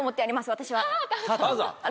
私は。